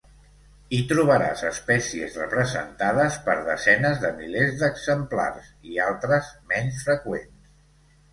Hi trobaràs espècies representades per desenes de milers d'exemplars i altres menys freqüents.